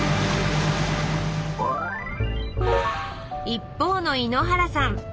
一方の井ノ原さん。